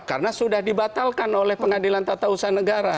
karena sudah dibatalkan oleh pengadilan tata usaha negara